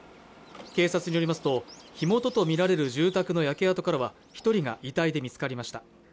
警察によりますと火元とみられる住宅の焼け跡からは一人が遺体で見つかりました